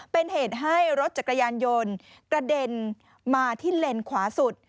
เป็นเหตุให้รถจักรยานยนต์กระเด็นมาที่เลนขวาสุด